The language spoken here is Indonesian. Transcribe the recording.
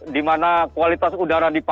di mana kualitas udara dipalinkan